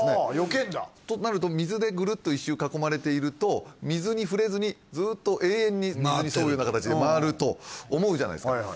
あよけるんだとなると水でグルッと１周囲まれていると水に触れずにずっと永遠に水に沿うような形で回ると思うじゃないですか